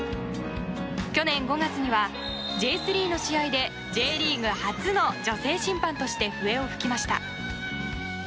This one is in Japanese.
去年５月には、Ｊ３の試合でＪリーグ初の女性審判として笛を吹きました。